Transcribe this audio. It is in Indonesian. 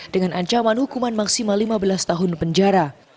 dengan ancaman hukuman maksimal lima belas tahun penjara